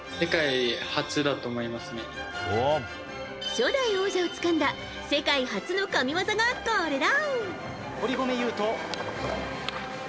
初代王者をつかんだ世界初の神技がこれだ！